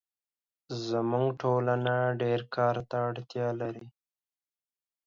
زموږ ټولنه ډېرکار ته اړتیا لري